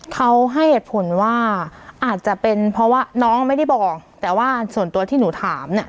เขาให้เหตุผลว่าอาจจะเป็นเพราะว่าน้องไม่ได้บอกแต่ว่าส่วนตัวที่หนูถามเนี่ย